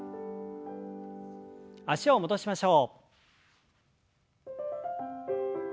脚を戻しましょう。